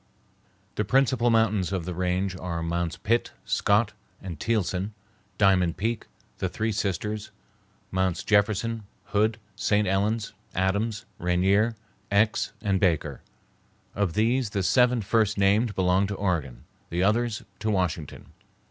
The principal mountains of the range are Mounts Pitt, Scott, and Thielson, Diamond Peak, the Three Sisters, Mounts Jefferson, Hood, St. Helen's, Adams, Rainier, Aix, and Baker. Of these the seven first named belong to Oregon, the others to Washington.